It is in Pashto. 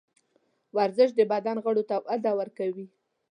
ورزش د بدن غړو ته وده ورکوي.